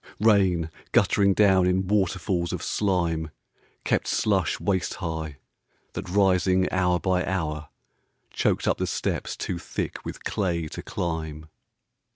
Rain, guttering down in waterfalls of slime Kept slush waist high, that rising hour by hour, Choked up the steps too thick with clay to climb.